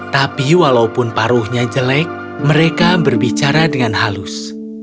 tapi walaupun paruhnya jelek mereka berbicara dengan halus